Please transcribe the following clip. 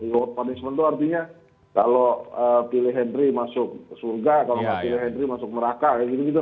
reward punishment itu artinya kalau pilih hendri masuk surga kalau pilih hendri masuk meraka gitu gitu